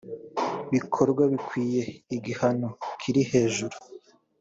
bikorwa bikwiye igihano kiri hejuru